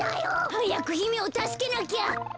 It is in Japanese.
はやくひめをたすけなきゃ。